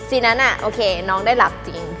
ซีนนั้นน่ะโอเคน้องได้หลับจริง